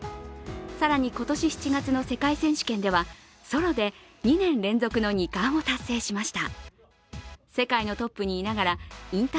更に今年７月の世界選手権ではソロで２年連続の２冠を達成しました。